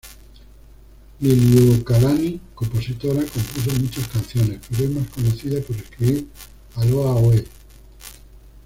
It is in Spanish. Liliuokalani, compositora, compuso muchas canciones, pero es más conocida por escribir "Aloha Oe".